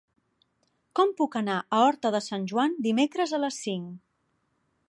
Com puc anar a Horta de Sant Joan dimecres a les cinc?